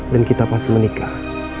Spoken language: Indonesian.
dan kita pasti menikah